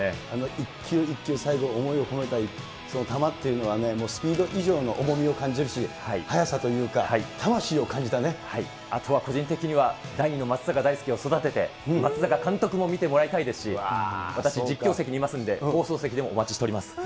一球一球、最後、思いを込めた球っていうのは、もうスピード以上の重みを感じるあとは個人的には、第２の松坂大輔を育てて、松坂監督も見てもらいたいですし、私、実況席にいますんで、放送席でもお待ちしております。